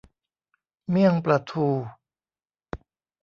เมี่ยงปลาทู